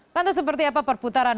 tante seperti apa perputaran